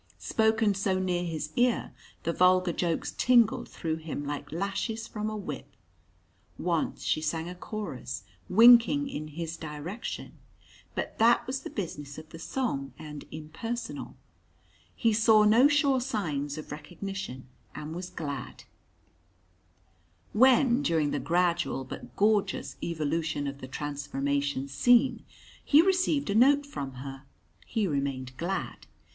Spoken so near his ear, the vulgar jokes tingled through him like lashes from a whip. Once she sang a chorus, winking in his direction. But that was the business of the song, and impersonal. He saw no sure signs of recognition, and was glad. [Illustration: THE ORIENTAL ON BOXING NIGHT.] When, during the gradual but gorgeous evolution of the Transformation Scene, he received a note from her, he remained glad.